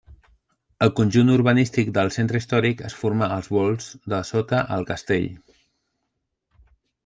El conjunt urbanístic del centre històric es formà als volts de sota el castell.